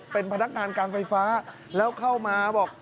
เป็นพนักงานการไฟฟ้าแล้วเข้ามาบอก